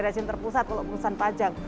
rezim terpusat kalau urusan pajak